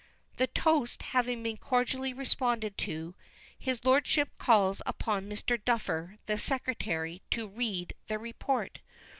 '" The toast having been cordially responded to, his lordship calls upon Mr. Duffer, the secretary, to read the report.